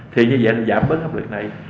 thì như vậy nó giảm bớt hấp lực này